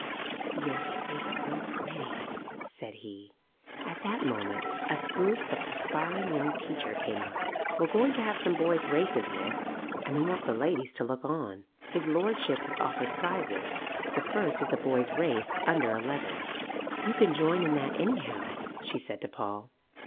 "Yo' speak so pretty," said he. At that moment a spruce but perspiring young teacher came up. "We're going to have some boys' races, miss, and we want the ladies to look on. His lordship has offered prizes. The first is a boys' race under eleven." "You can join in that, anyhow," she said to Paul.